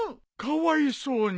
かわいそうに。